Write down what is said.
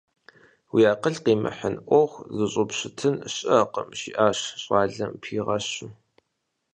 Уи акъыл къимыхьын Ӏуэху зыщӀупщытын щыӀэкъым, – жиӀащ щӀалэм пигъэщу.